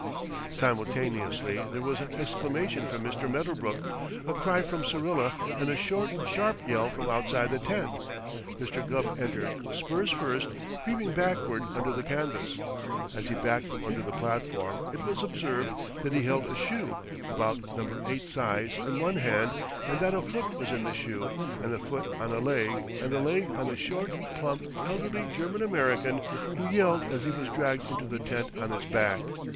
Simultaneously there was an exclamation from Mr. Medderbrook, a cry from Syrilla, and a short, sharp yell from outside the tent. Mr. Gubb entered, spurs first, creeping backward under the canvas. As he backed from under the platform it was observed that he held a shoe about No. 8 size in one hand, and that a foot was in the shoe, and the foot on a leg, and the leg on a short, plump, elderly German American, who yelled as he was dragged into the tent on his back.